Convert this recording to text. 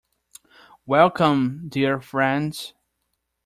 Welcome, dear friends.